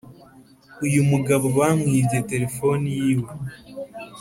Uyumugabo bamwibye telephone yiwe